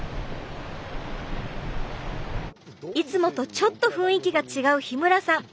いつもとちょっと雰囲気が違う日村さん。